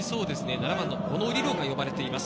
７番・小野理竜が呼ばれています。